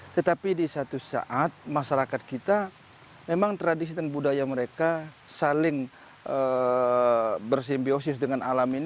tetapi di satu saat masyarakat kita memang tradisi dan budaya mereka saling bersimbiosis dengan alam ini